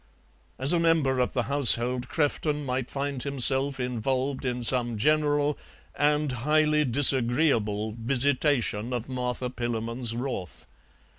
As a member of the household Crefton might find himself involved in some general and highly disagreeable visitation of Martha Pillamon's wrath.